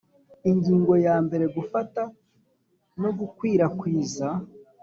Ingingo ya mbere Gufata no gukwirakwiza